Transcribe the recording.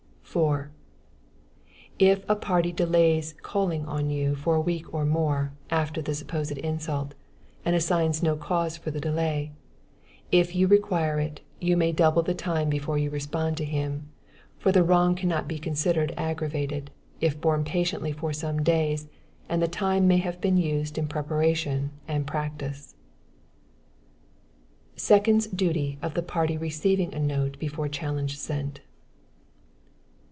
4. If a party delays calling on you for a week or more, after the supposed insult, and assigns no cause for the delay, if you require it, you may double the time before you respond to him; for the wrong cannot be considered aggravated; if borne patiently for some days, and the time may have been used in preparation and practice. Second's Duty of the Party Receiving a Note Before Challenge Sent.